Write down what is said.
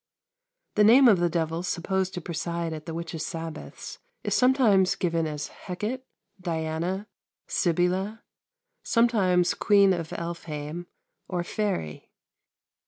The name of the devil supposed to preside at the witches' sabbaths is sometimes given as Hecat, Diana, Sybilla; sometimes Queen of Elfame, or Fairie.